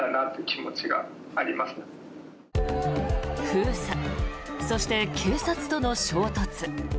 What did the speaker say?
封鎖、そして警察との衝突。